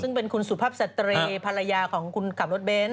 ซึ่งเป็นคุณสุภาพสตรีภรรยาของคุณขับรถเบนท์